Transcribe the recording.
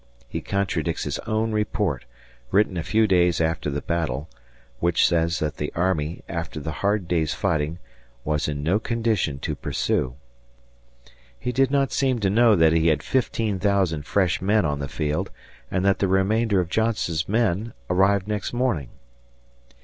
He contradicts his own report, written a few days after the battle, which says that the army, after the hard day's fighting, was in no condition to pursue. He did not seem to know that he had 15,000 fresh men on the field and that the remainder of Johnston's men arrived next morning.